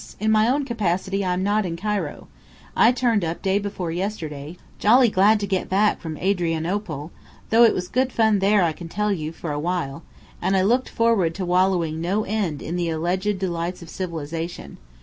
In my own capacity, I'm not in Cairo. I turned up day before yesterday, jolly glad to get back from Adrianople though it was good fun there, I can tell you, for a while; and I looked forward to wallowing no end in the alleged delights of civilization.